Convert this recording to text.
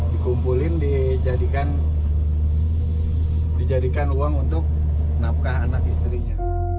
dikumpulin dijadikan uang untuk nafkah anak istrinya